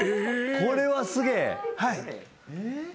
これはすげえ。